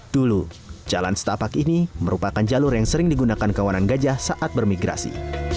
dulu jalan setapak ini merupakan jalur yang sering digunakan kawanan gajah saat bermigrasi